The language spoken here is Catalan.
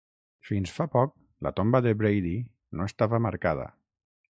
Fins fa poc, la tomba de Brady no estava marcada.